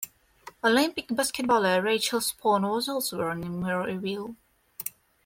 Olympic basketballer Rachael Sporn was also born in Murrayville.